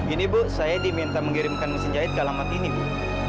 ini bu saya diminta mengirimkan mesin jahit ke alamat ini bu